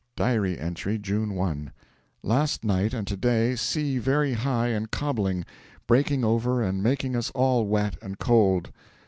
(Diary entry) June 1. Last night and to day sea very high and cobbling, breaking over and making us all wet and cold.